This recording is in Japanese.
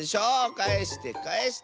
かえしてかえして！